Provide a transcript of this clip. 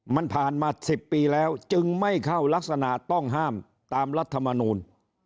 มันผ่านมา๑๐ปีแล้วจึงไม่เข้ารักษณะต้องห้ามตามรัฐมนูล